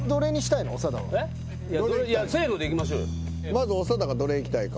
まず長田がどれいきたいか。